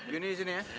yuni disini ya